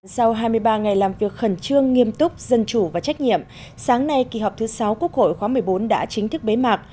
sau hai mươi ba ngày làm việc khẩn trương nghiêm túc dân chủ và trách nhiệm sáng nay kỳ họp thứ sáu quốc hội khóa một mươi bốn đã chính thức bế mạc